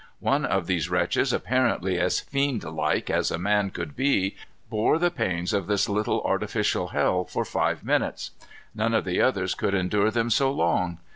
One of these wretches, apparently as fiend like as a man could be, bore the pains of this little artificial hell for five minutes. None of the others could endure them so long.